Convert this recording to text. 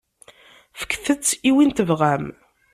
Fket-tt i win i tebɣam.